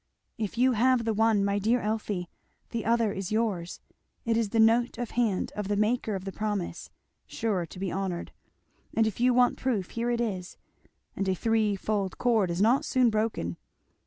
"If you have the one, my dear Elfie, the other is yours it is the note of hand of the maker of the promise sure to be honoured. And if you want proof here it is, and a threefold cord is not soon broken.